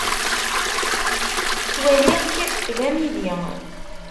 Ttwaliɣ-k d amidi.